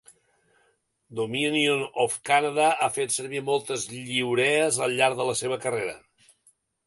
"Dominion of Canada" ha fet servir moltes lliurees al llarg de la seva carrera.